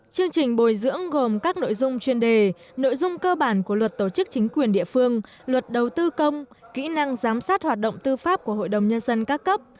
chương trình bồi dưỡng gồm các nội dung chuyên đề nội dung cơ bản của luật tổ chức chính quyền địa phương luật đầu tư công kỹ năng giám sát hoạt động tư pháp của hội đồng nhân dân các cấp